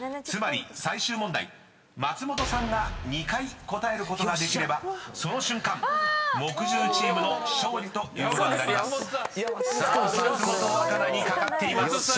［つまり最終問題松本さんが２回答えることができればその瞬間木１０チームの勝利ということになります］